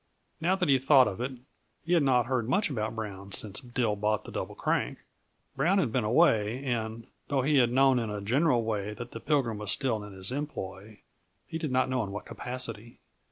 Now that he thought of it, he had not heard much about Brown since Dill bought the Double Crank. Brown had been away, and, though he had known in a general way that the Pilgrim was still in his employ, he did not know in what capacity.